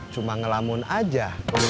cuma ngelamun aja